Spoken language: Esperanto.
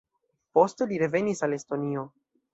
Poste li revenis al Estonio.